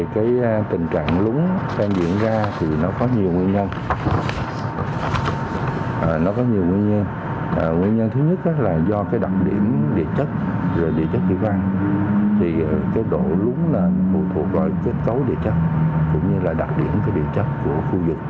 cũng như là đặc điểm của địa chất của khu vực